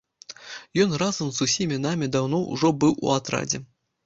Ён разам з усімі намі даўно ўжо быў у атрадзе.